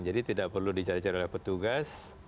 jadi tidak perlu dicari cari oleh petugas